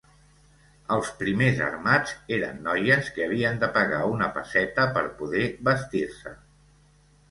Els primers armats eren noies que havien de pagar una pesseta per poder vestir-se.